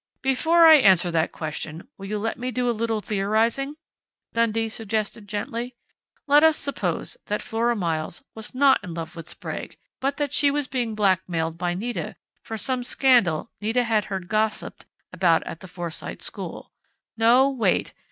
"Before I answer that question, will you let me do a little theorizing?" Dundee suggested gently. "Let us suppose that Flora Miles was not in love with Sprague, but that she was being blackmailed by Nita for some scandal Nita had heard gossiped about at the Forsyte School.... No, wait!...